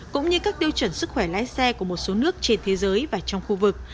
cũng như các tiêu chuẩn sức khỏe lái xe của một số nước trên thế giới và trong khu vực